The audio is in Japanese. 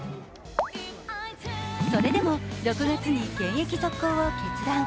それでも６月に現役続行を決断。